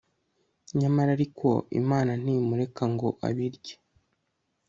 nyamara ariko imana ntimureka ngo abirye